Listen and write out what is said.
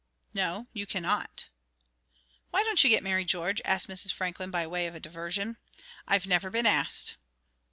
"No, you cannot." "Why don't you get married, George?" asked Mrs. Franklin, by way of a diversion. "I've never been asked."